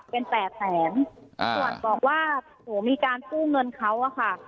เป็นแปดแสนส่วนบอกว่าหนูมีการกู้เงินเขาอะค่ะ